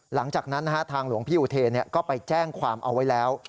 หลังจากนั้นทางหลวงพี่อุเทนก็ไปแจ้งความเอาไว้แล้ว